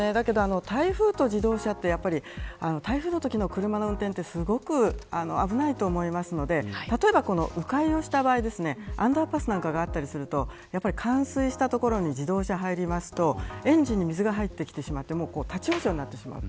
台風と自動車は台風のときの車の運転はすごく危ないと思いますので例えば、迂回をした場合アンダーパスなんかがあったりすると冠水した所に自動車が入りますとエンジンに水が入ってきて立ち往生になってしまう。